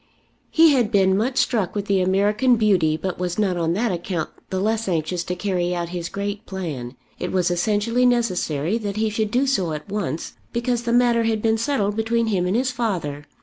He had been much struck with the American beauty, but was not on that account the less anxious to carry out his great plan. It was essentially necessary that he should do so at once, because the matter had been settled between him and his father.